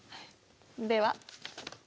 では。